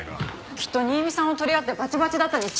きっと新見さんを取り合ってバチバチだったに違いないです。